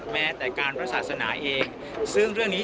แม้แต่การพระศาสนาเองซึ่งเรื่องนี้